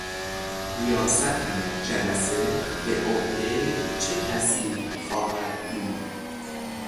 ریاست جلسه به عهده چه کسی خواهد بود؟